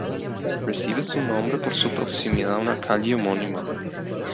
Recibe su nombre por su proximidad a una calle homónima.